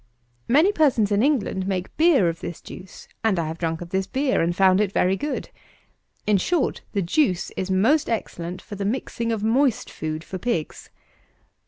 Many persons in England make beer of this juice, and I have drunk of this beer, and found it very good. In short, the juice is most excellent for the mixing of moist food for pigs.